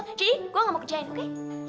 jadi gue nggak mau kerjain oke